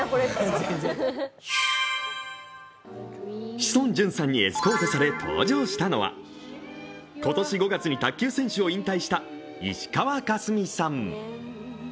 志尊淳さんにエスコートされ登場したのは、今年５月に卓球選手を引退した石川佳純さん。